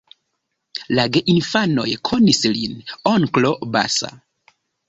La geinfanoj konis lin "onklo Basa".